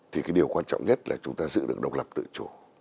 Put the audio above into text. thì cái điều quan trọng nhất là chúng ta giữ được độc lập tự chủ